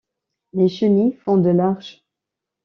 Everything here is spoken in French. Les chenilles font de large.